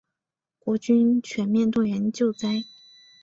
国军全面动员救灾